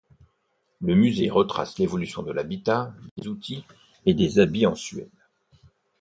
Le musée retrace l'évolution de l'habitat, des outils et des habits en Suède.